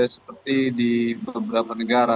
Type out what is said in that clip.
seperti di beberapa negara